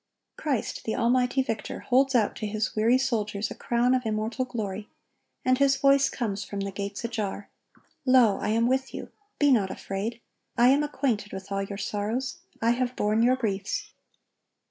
Christ, the almighty victor, holds out to His weary soldiers a crown of immortal glory; and His voice comes from the gates ajar: "Lo, I am with you. Be not afraid. I am acquainted with all your sorrows; I have borne your griefs.